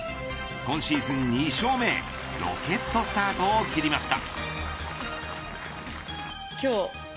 今シーズン２勝目へロケットスタートを切りました。